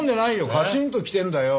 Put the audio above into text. カチンときてるんだよ。